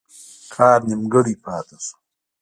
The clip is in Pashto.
کار نیمګړی پاته شو.